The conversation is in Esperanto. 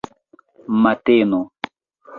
mateno